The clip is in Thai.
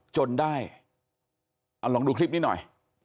จนได้เอาลองดูคลิปนี้หน่อย